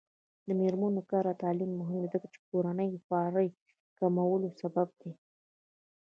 د میرمنو کار او تعلیم مهم دی ځکه چې کورنۍ خوارۍ کمولو سبب دی.